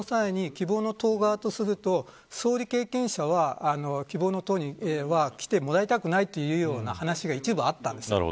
その際に希望の党側からすると総理経験者は希望の党に来てもらいたくないという話が一部あったんです。